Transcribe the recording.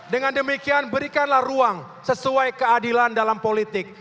dengan demikian berikanlah ruang sesuai keadilan dalam politik